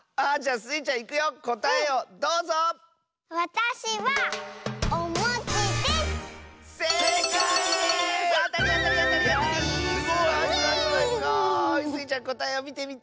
スイちゃんこたえをみてみて。